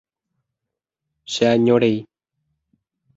cheañorei